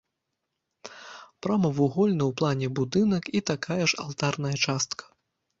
Прамавугольны ў плане будынак і такая ж алтарная частка.